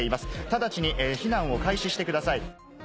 ただちに避難を開始してください。